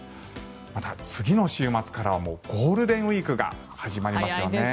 また、次の週末からはゴールデンウィークが始まりますよね。